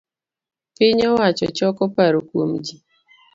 piny owacho choko paro kuom ji